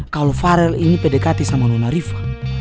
kalo farel ini berdekati sama nona rifa